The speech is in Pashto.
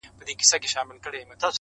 زموږ اعمال د ځان سرمشق کړه تاریخ ګوره.!